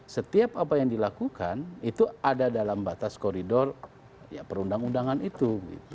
setiap apa yang dilakukan itu ada dalam batas koridor perundang undangan itu